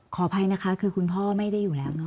ขออภัยนะคะคือคุณพ่อไม่ได้อยู่แล้วเนอ